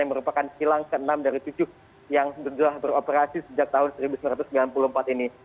yang merupakan kilang ke enam dari tujuh yang sudah beroperasi sejak tahun seribu sembilan ratus sembilan puluh empat ini